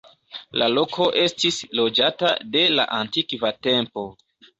La loko estis loĝata de la antikva tempo.